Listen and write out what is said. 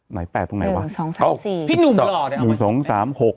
ไหนแปดตรงไหนวะเออสองสามสี่พี่นุ่มหล่อแต่เอาไว้หนึ่งสองสามหก